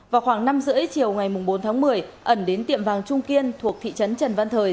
vào khoảng năm h ba mươi chiều ngày bốn tháng một mươi ẩn đến tiệm vàng trung kiên thuộc thị trấn trần văn thời